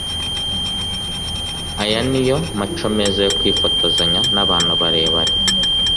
Aya niyo maco meza yo kwifotozanya n’abantu barebare